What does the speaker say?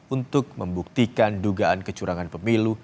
untuk membuktikan dugaan kecurangan pemilu